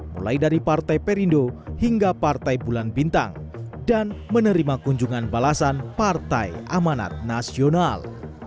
mulai dari partai perindo hingga partai bulan bintang dan menerima kunjungan balasan partai amanat nasional